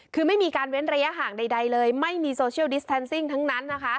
คือไม่มีการเว้นระยะห่างใดเลยไม่มีโซเชียลดิสแทนซิ่งทั้งนั้นนะคะ